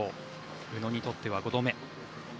宇野にとっては５度目。